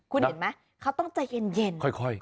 คุณเห็นมั้ยเขาต้องใจเย็น